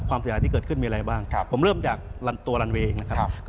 เสียหายที่เกิดขึ้นมีอะไรบ้างผมเริ่มจากตัวรันเวงนะครับ